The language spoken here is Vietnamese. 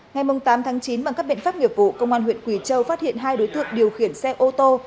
ngày tám chín bằng các biện pháp nghiệp vụ công an huyện quỳ châu phát hiện hai đối tượng điều khiển xe ô tô